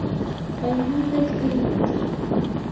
طَيِّبَ الْكَلِمَةِ